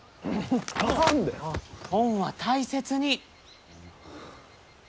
本は大切に！